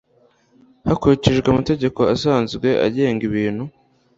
Hakurikijwe amategeko asanzwe agenga ibintu,